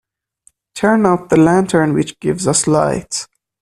Turn out the lantern which gives us light.